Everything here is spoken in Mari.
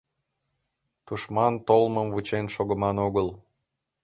— Тушман толмым вучен шогыман огыл.